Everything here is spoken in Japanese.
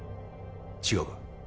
違うか？